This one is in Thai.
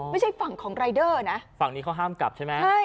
ไม่ใช่ฝั่งของรายเดอร์นะฝั่งนี้เขาห้ามกลับใช่ไหมใช่